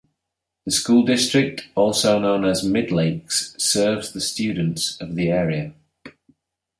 The school district, also known as Midlakes, serves the students of the area.